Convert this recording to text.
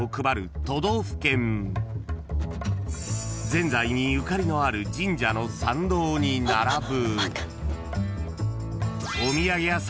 ［ぜんざいにゆかりのある神社の参道に並ぶ］